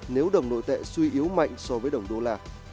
nếu đồng nội tệ suy yếu mạnh so với đồng đô la